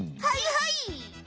はいはい！